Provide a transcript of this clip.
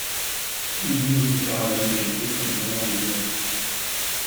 Il vit dans une caravane localisée près du manoir de Belette.